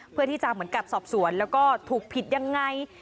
เพื่อที่จะเหมือนกับสอบสวนแล้วก็ถูกผิดยังไง